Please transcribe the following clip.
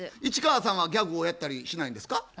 市川さんはギャグをやったりしないんですか？